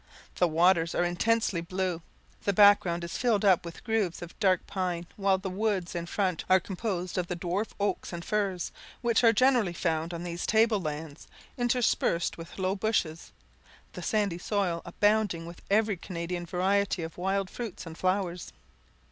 The waters are intensely blue, the back ground is filled up with groves of dark pine, while the woods in front are composed of the dwarf oaks and firs, which are generally found on these table lands, interspersed with low bushes the sandy soil abounding with every Canadian variety of wild fruits and flowers.